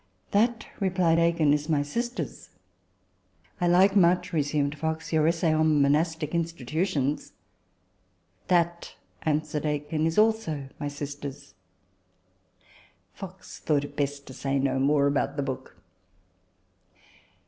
'" That," replied Aikin, " is my sister's." " I like much," resumed Fox, " your essay ' On Monastic Institu tions.' '" That," answered Aikin, " is also my sister's." Fox thought it best to say no more about the book.